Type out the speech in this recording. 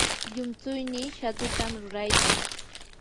llumtsuynii shatutam ruraykan.